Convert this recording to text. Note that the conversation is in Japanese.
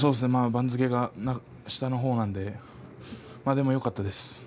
番付が下の方なのででもよかったです。